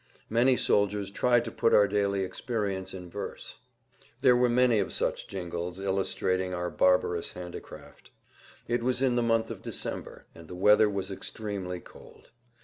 Many soldiers tried to put our daily experience in verse. There were many of such jingles illustrating our barbarous handicraft. It was in the month of December and the weather was extremely cold.